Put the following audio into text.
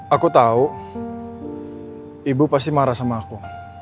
aku tahu ibu pasti marah sama aku